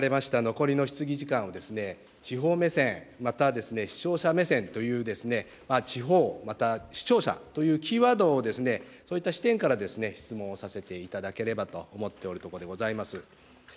残りの質疑時間を、地方目線、また視聴者目線という、地方、また視聴者というキーワードを、そういった視点から質問をさせていただければと思っておるところでございます。